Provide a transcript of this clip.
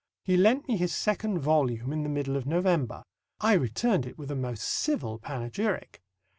He lent me his second volume in the middle of November. I returned it with a most civil panegyric.